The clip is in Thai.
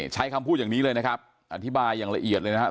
ใช้คำพูดอย่างนี้เลยนะครับอธิบายอย่างละเอียดเลยนะครับ